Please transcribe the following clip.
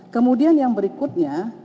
kemudian yang berikutnya